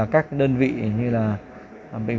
các đơn vị như là